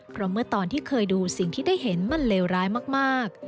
เพราะเมื่อตอนที่เคยดูสิ่งที่ได้เห็นมันเลวร้ายมาก